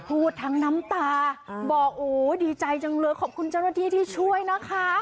พูดทั้งน้ำตาบอกโอ้ดีใจจังเลยขอบคุณเจ้าหน้าที่ที่ช่วยนะคะ